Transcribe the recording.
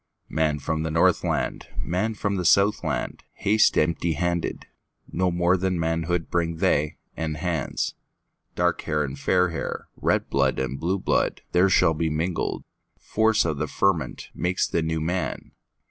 Man from the Northland, Man from the Southland, Haste empty handed; No more than manhoodBring they, and hands. Dark hair and fair hair, Red blood and blue blood, There shall be mingled; Force of the fermentMakes the New Man.